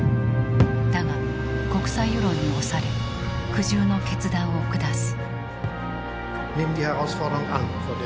だが国際世論に押され苦渋の決断を下す。